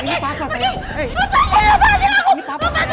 apa yang saya lakukan dengan mereka